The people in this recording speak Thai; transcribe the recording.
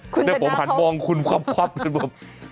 เดี๋ยวผมหัดมองคุณควับเลยผม